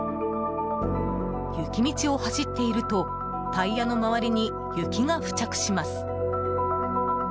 雪道を走っているとタイヤの周りに雪が付着します。